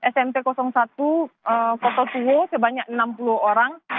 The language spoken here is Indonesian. smt satu kota tua sebanyak enam puluh orang